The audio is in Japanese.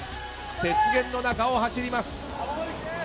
雪原の中を走ります。